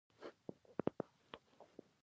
ایا ستاسو عطر به اصیل وي؟